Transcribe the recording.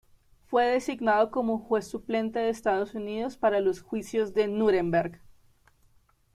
Fue designado como juez suplente de Estados Unidos para los Juicios de Núremberg.